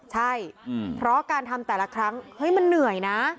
ใช่เพราะการทำแต่ละครั้งเฮ้ยมันเหนื่อยนะ